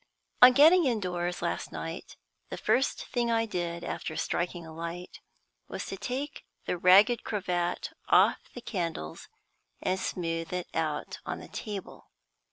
On getting indoors last night, the first thing I did, after striking a light, was to take the ragged cravat off the candles, and smooth it out on the table.